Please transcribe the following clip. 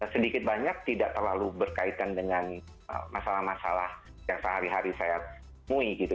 sedikit banyak tidak terlalu berkaitan dengan masalah masalah yang sehari hari saya temui gitu